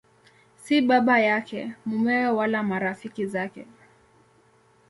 Si baba yake, mumewe wala marafiki zake.